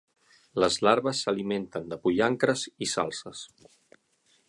Les larves s'alimenten de pollancres i salzes.